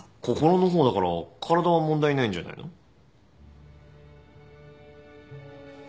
心の方だから体は問題ないんじゃないの？